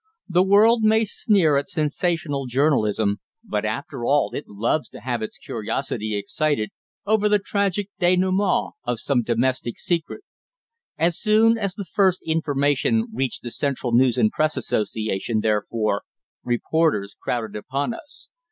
The world may sneer at sensational journalism, but after all it loves to have its curiosity excited over the tragic dénouement of some domestic secret. As soon as the first information reached the Central News and Press Association, therefore, reporters crowded upon us.